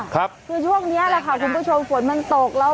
คือช่วงนี้แหละค่ะคุณผู้ชมฝนมันตกแล้ว